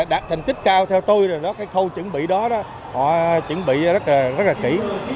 đạt thành tích cao theo tôi cái khâu chuẩn bị đó họ chuẩn bị rất là kỹ